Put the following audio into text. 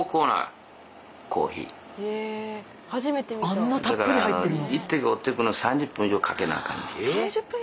あんなたっぷり入ってるの？